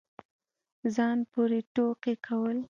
ځان پورې ټوقې كول